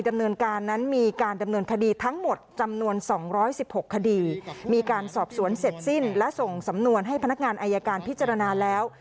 ดำเนินการนั้นมีการดำเนินคดีทั้งหมดจำนวน๒๑๖คดีมีการสอบสวนเสร็จสิ้นและส่งสำนวนให้พนักงานอายการพิจารณาแล้ว